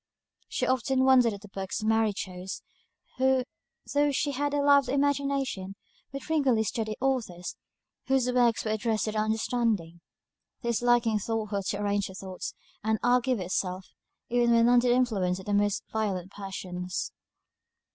She often wondered at the books Mary chose, who, though she had a lively imagination, would frequently study authors whose works were addressed to the understanding. This liking taught her to arrange her thoughts, and argue with herself, even when under the influence of the most violent passions.